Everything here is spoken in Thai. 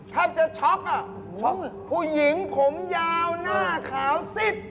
ถ้าจะช็อคผู้หญิงผมยาวหน้าขาวสิด